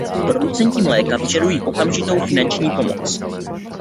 Producenti mléka požadují okamžitou finanční pomoc.